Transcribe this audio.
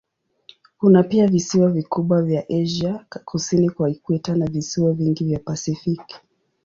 Kuna pia visiwa vikubwa vya Asia kusini kwa ikweta na visiwa vingi vya Pasifiki.